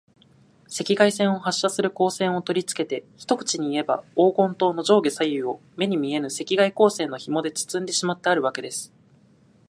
赤外線を発射する光線をとりつけて、一口にいえば、黄金塔の上下左右を、目に見えぬ赤外光線のひもでつつんでしまってあるわけです。